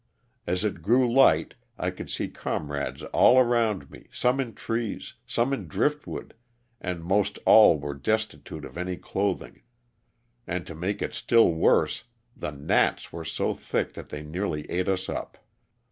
As it grew light I could see comrades all around me, some in trees, some in drift wood and most all were destitute of any clothing, and to make it still worse the gnats were so thick that they nearly ate us up.